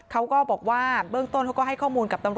เขาก็บอกว่าเบื้องต้นเขาก็ให้ข้อมูลกับตำรวจ